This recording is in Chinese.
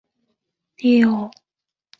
万历十六年方考中进士。